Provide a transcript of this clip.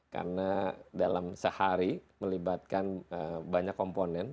karena dalam sehari melibatkan banyak komponen